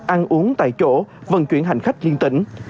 ăn uống tại chỗ vận chuyển hành khách liên tỉnh